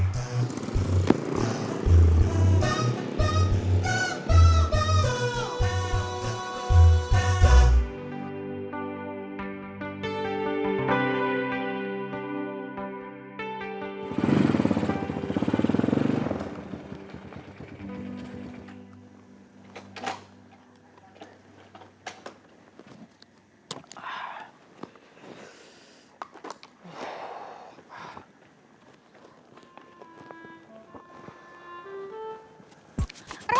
kalo dia tau